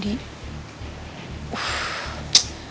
dia pasti akan mencari saya